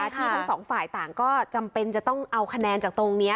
ที่ทั้งสองฝ่ายต่างก็จำเป็นจะต้องเอาคะแนนจากตรงนี้